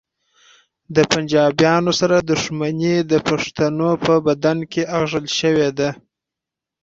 د پنجابیانو سره دښمني د پښتنو په بدن کې اغږل شوې ده